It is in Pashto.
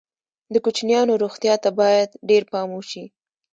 د کوچنیانو روغتیا ته باید ډېر پام وشي.